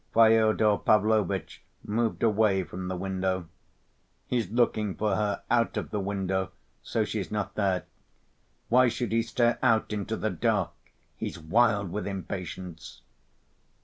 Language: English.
Fyodor Pavlovitch moved away from the window. "He's looking for her out of the window, so she's not there. Why should he stare out into the dark? He's wild with impatience."